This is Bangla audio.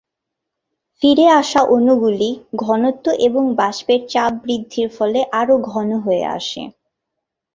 ফিরে আসা অণুগুলি ঘনত্ব এবং বাষ্পের চাপ বৃদ্ধির ফলে আরও ঘন হয়ে আসে।